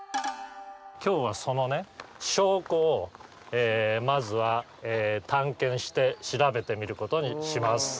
今日はそのね証拠をまずは探検して調べてみることにします。